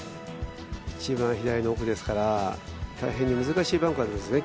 一番左の奥ですから大変難しいバンカーでしたね。